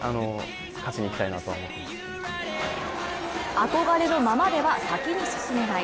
憧れのままでは先に進めない。